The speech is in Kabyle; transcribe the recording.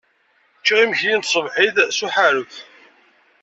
Ččiɣ imekli n tṣebḥit s uḥaṛef.